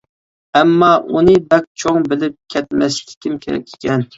ئەمما ئۇنى بەك چوڭ بىلىپ كەتمەسلىكىم كېرەك ئىكەن.